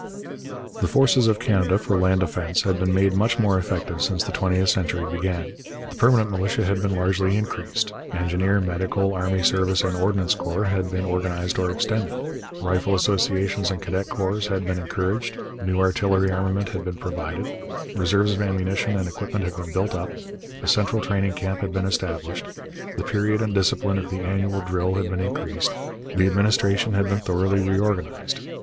The forces of Canada for land defence had been made much more effective since the twentieth century began. The permanent militia had been largely increased; engineer, medical, army service, and ordnance corps had been organized or extended; rifle associations and cadet corps had been encouraged; new artillery armament had been provided; reserves of ammunition and equipment had been built up; a central training camp had been established; the period and discipline of the annual drill had been increased; the administration had been thoroughly reorganized.